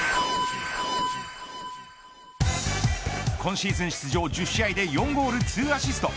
・今シーズン出場１０試合で４ゴール２アシスト。